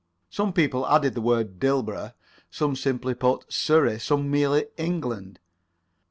Some people added the word Dilborough; some simply put Surrey; some merely England.